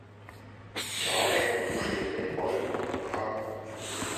— Чавайже кушто илен, палет мо, уныкам?